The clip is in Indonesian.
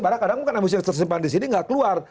padahal kadang emosi yang tersimpan di sini nggak keluar